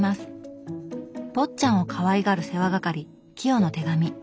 坊っちゃんをかわいがる世話係清の手紙。